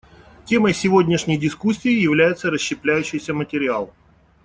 Темой сегодняшней дискуссии является расщепляющийся материал.